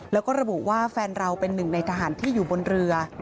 แล้วก็ระบุว่าแฟนเราเป็นหนึ่งในทหารที่อยู่บนเรือ